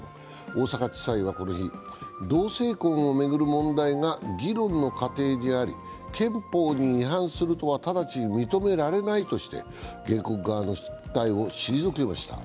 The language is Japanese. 大阪地裁はこの日、同性婚を巡る問題が議論の過程にあり、憲法に違反するとは直ちに認められないとして、原告側の訴えを退けました。